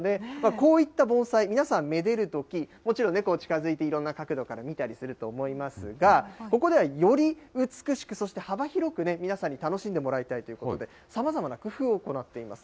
こういった盆栽、皆さん、めでるとき、もちろん近づいていろんな角度から見たりすると思いますが、ここではより美しく、そして幅広く皆さんに楽しんでもらいたいということで、さまざまな工夫を行っています。